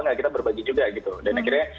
nggak kita berbagi juga gitu dan akhirnya